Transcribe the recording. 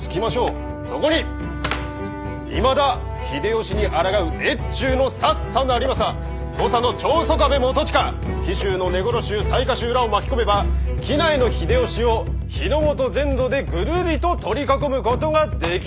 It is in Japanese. そこにいまだ秀吉にあらがう越中の佐々成政土佐の長宗我部元親紀州の根来衆雑賀衆らを巻き込めば畿内の秀吉を日ノ本全土でぐるりと取り囲むことができる。